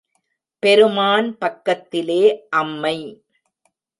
பெருமான் பக்கத்திலே அம்மை.